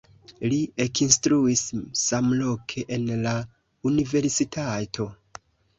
Li ekinstruis samloke en la universitato.